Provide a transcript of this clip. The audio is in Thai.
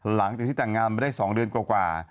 หลังจากที่แต่งงานมาได้๒เดือนกว่า